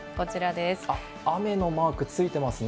雨のマークついてますね。